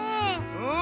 うん。